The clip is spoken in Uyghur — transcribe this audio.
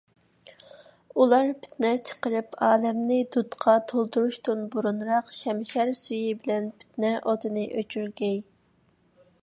ئۇلار پىتنە چىقىرىپ ئالەمنى دۇتقا تولدۇرۇشتىن بۇرۇنراق شەمشەر سۈيى بىلەن پىتنە ئوتىنى ئۆچۈرگەي.